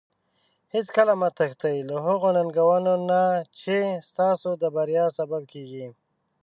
هیڅکله مه تښتي له هغو ننګونو نه چې ستاسو د بریا سبب کیږي.